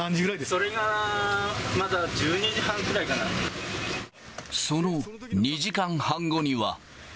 それがまだ１２時半くらいかその２時間半後には。